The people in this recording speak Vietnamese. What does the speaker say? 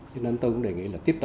cho nên tôi cũng đề nghị là tiếp tục